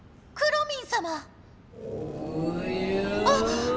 あっ！